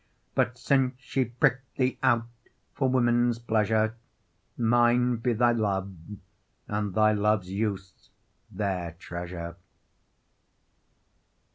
But since she prick'd thee out for women's pleasure, Mine be thy love and thy love's use their treasure.